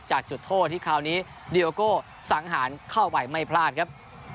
จากจุดโทษที่คราวนี้เดียโก้สังหารเข้าไปไม่พลาดครับ